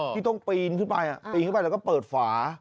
ที่ต้องปีนขึ้นไปปีนขึ้นไปแล้วก็เปิดฝา